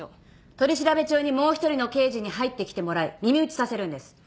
取り調べ中にもう一人の刑事に入ってきてもらい耳打ちさせるんです。